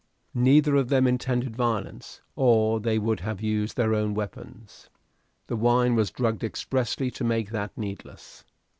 Neither of them intended violence, or they would have used their own weapons. The wine was drugged expressly to make that needless.